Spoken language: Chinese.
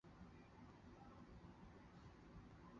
湖南澧县人。